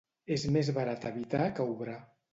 És més barat evitar que obrar.